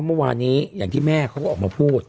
เมื่อวานนี้อย่างที่แม่เขาก็ออกมาพูด